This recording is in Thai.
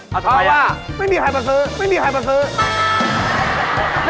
ทอดว่าไม่มีใครมาซื้อไม่มีใครมาซื้อ